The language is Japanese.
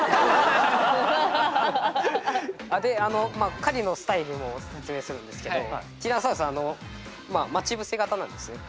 狩りのスタイルも説明するんですけどティラノサウルスは待ち伏せ型なんですね。